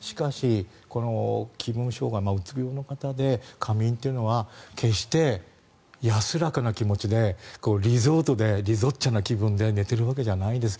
しかし気分障害、うつ病の方で過眠というのは決して安らかな気持ちでリゾートにいる気分で寝ているわけじゃないです。